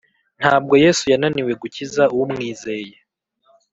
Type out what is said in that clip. Ntabwo yesu yananiwe gukiza umwizeye